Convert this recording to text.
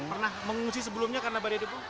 pernah mengungsi sebelumnya karena badai debu